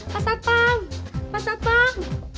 pasar pam pasar pam